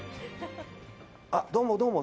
あっどうもどうも。